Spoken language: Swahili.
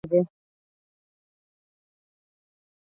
Kutokula ipasavyo kunasababisha kupungua kwa maziwa